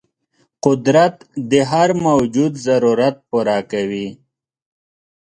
قدرت د هر موجود ضرورت پوره کوي.